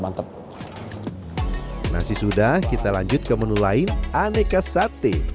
masih sudah kita lanjut ke menu lain aneka sate